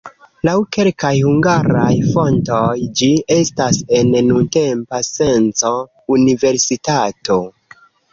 Laŭ kelkaj hungaraj fontoj ĝi estas en nuntempa senco universitato.